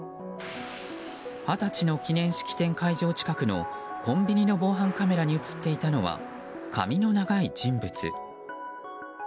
二十歳の記念式典会場近くのコンビニの防犯カメラに映っていたのは髪の長い人物。